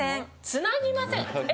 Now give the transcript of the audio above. つなぎません？